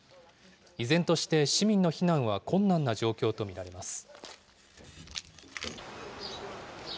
依然として市民の避難は困難な状況と見られます。